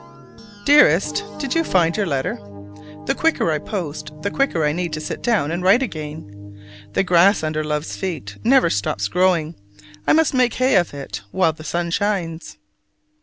Dearest: Did you find your letter? The quicker I post, the quicker I need to sit down and write again. The grass under love's feet never stops growing: I must make hay of it while the sun shines.